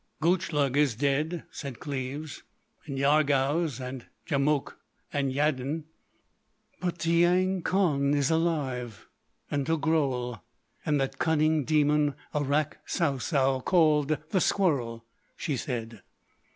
"Gutchlug is dead," said Cleves, "—and Yarghouz and Djamouk, and Yaddin." "But Tiyang Khan is alive, and Togrul, and that cunning demon Arrak Sou Sou, called The Squirrel," she said.